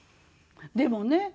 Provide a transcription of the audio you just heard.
でもね